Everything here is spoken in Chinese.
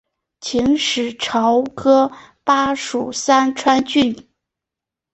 秦时朝歌邑属三川郡。